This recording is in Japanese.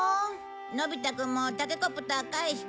のび太くんもタケコプター返して。